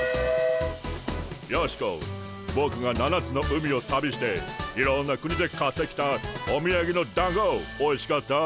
ヨシコボクが七つの海を旅していろんな国で買ってきたおみやげのだんごおいしかった？